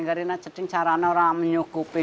karena ada ceding caranya orang menyukupi